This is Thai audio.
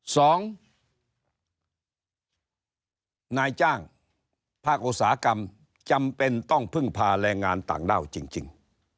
สองนายจ้างภาคอุตสาหกรรมจำเป็นต้องพึ่งพาแรงงานต่างด้าวจริง